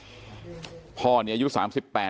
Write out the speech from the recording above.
ตอนที่เจ้าหน้าที่ไปเคลียร์ที่เกิดเหตุเมื่อคืนที่ผ่านมานะครับ